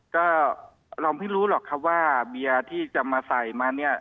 ก็เราไม่รู้หรอกครับว่าเบียร์ที่จะมาใส่มาเนี่ย